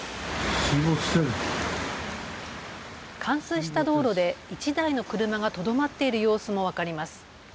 冠水した道路で１台の車がとどまっている様子も分かります。